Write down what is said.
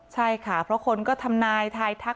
ใช่ค่ะเพราะคนก็ทำนายทายทัก